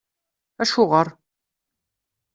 AcuƔer?